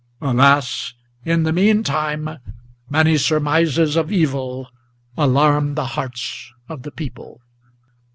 Alas! in the mean time Many surmises of evil alarm the hearts of the people."